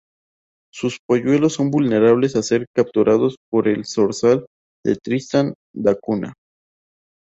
Sus polluelos son vulnerables a ser capturados por el zorzal de Tristan da Cunha.